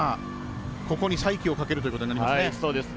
ここに再起をかけるということになりますね。